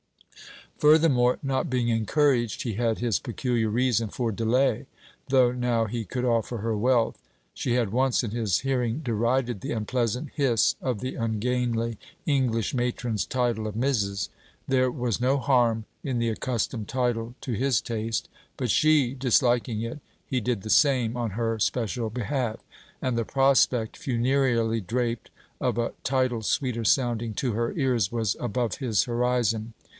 Furthermore, not being encouraged, he had his peculiar reason for delay, though now he could offer her wealth. She had once in his hearing derided the unpleasant hiss of the ungainly English matron's title of Mrs. There was no harm in the accustomed title, to his taste; but she disliking it, he did the same, on her special behalf; and the prospect, funereally draped, of a title sweeter sounding to her ears, was above his horizon.